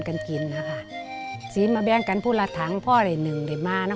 ตอนนี้ชาวบ้านหมดเนื้อหมดตัว